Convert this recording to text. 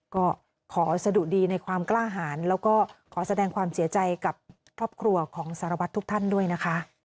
ก็ขอสะดุดีในความกล้าหารแล้วก็ขอแสดงความเสียใจกับครอบครัวของสารวัตรทุกท่านด้วยนะคะ